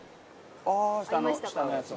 あの下のやつだ。